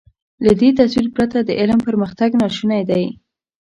له دې تصور پرته د علم پرمختګ ناشونی دی.